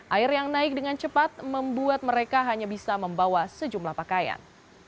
air yang naik dengan cepat membuat mereka hanya bisa membawa sejumlah pakaian